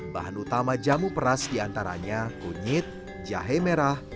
bahan utama jamu peras diantaranya kunyit jahe merah